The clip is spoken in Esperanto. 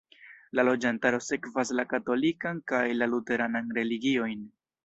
La loĝantaro sekvas la katolikan kaj la luteranan religiojn.